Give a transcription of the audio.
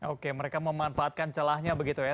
oke mereka memanfaatkan celahnya begitu ya